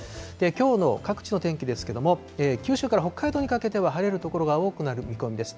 きょうの各地の天気ですけども、九州から北海道にかけては晴れる所が多くなる見込みです。